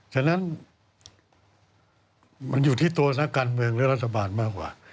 ฉะนั้นมันอยู่ที่ตัวนักการเมืองและรัฐบาลมากกว่า